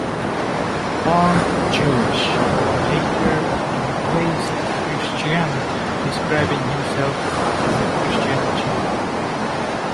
Born Jewish, he later embraced Christianity, describing himself as a "Christian Jew".